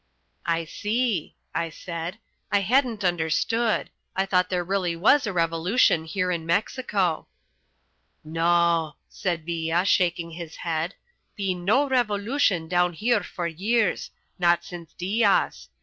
"I see," I said, "I hadn't understood. I thought there really was a revolution here in Mexico." "No," said Villa, shaking his head, "been no revolution down here for years not since Diaz.